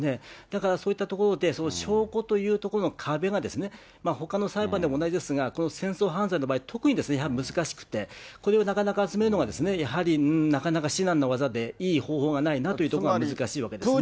だからそういったところで、証拠というところの壁が、ほかの裁判でも同じですが、戦争犯罪の場合、特にやはり難しくて、これをなかなか集めるのが、やはりなかなか至難の業で、いい方法がないなというところが難しいわけですね。